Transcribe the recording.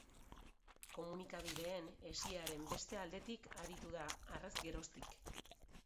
Komunikabideekin hesiaren beste aldetik aritu da harrez geroztik.